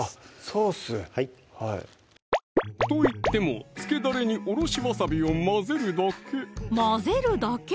ソースはいといってもつけだれにおろしわさびを混ぜるだけ混ぜるだけ？